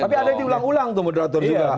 tapi ada yang diulang ulang tuh moderator juga